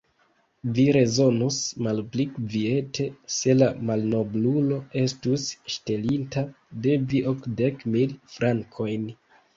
Vi rezonus malpli kviete, se la malnoblulo estus ŝtelinta de vi okdek mil frankojn!